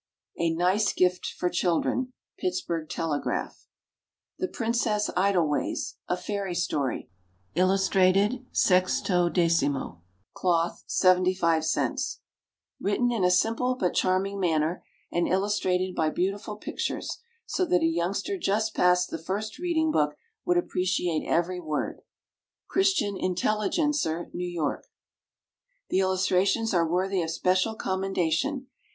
_ "A nice Gift for Children." PITTSBURGH TELEGRAPH. THE PRINCESS IDLEWAYS, A FAIRY STORY. Illustrated, 16mo, Cloth, 75 cents. Written in a simple but charming manner, and illustrated by beautiful pictures, so that a youngster just past the first reading book would appreciate every word. Christian Intelligencer, N. Y. The illustrations are worthy of special commendation.